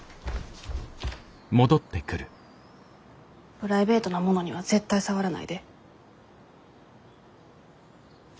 プライベートなものには絶対触らないで。